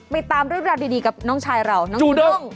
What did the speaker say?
ติดตามเรื่องราวดีกับน้องชายเราน้องจูด้ง